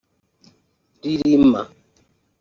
Rilima